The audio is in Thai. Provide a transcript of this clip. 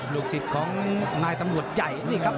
ลูกศิษย์ของนายตำรวจใหญ่นี่ครับ